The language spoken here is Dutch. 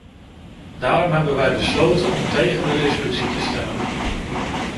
Daarom hebben wij besloten om tegen de resolutie de stemmen.